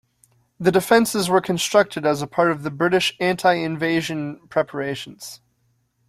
The defences were constructed as a part of British anti-invasion preparations.